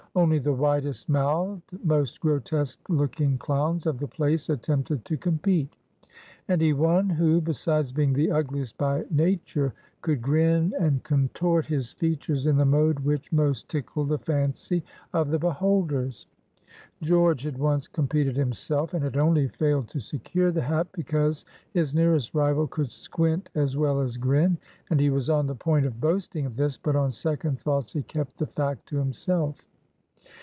Only the widest mouthed, most grotesque looking clowns of the place attempted to compete; and he won who, besides being the ugliest by nature, could "grin" and contort his features in the mode which most tickled the fancy of the beholders. George had once competed himself, and had only failed to secure the hat because his nearest rival could squint as well as grin; and he was on the point of boasting of this, but on second thoughts he kept the fact to himself.